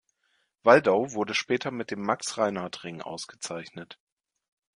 Waldau wurde später mit dem Max-Reinhardt-Ring ausgezeichnet.